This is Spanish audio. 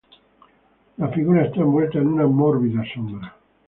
La figura está envuelta en una mórbida sombra.